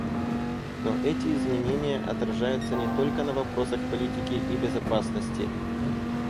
Но эти изменения отражаются не только на вопросах политики и безопасности.